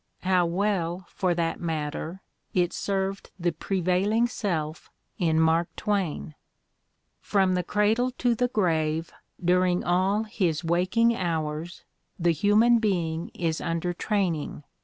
How well, for that matter, it served the prevailing self in Mark Twain !'' From the cradle to the grave, during all his waking hours, the human being is under train ing.